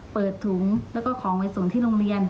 เปิดถุงแล้วก็ของไปส่งที่โรงเรียน